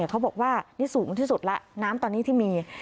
เขาบอกว่านี่สูงที่สุดแล้วน้ำตอนนี้ที่มี